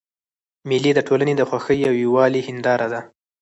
مېلې د ټولني د خوښۍ او یووالي هنداره ده.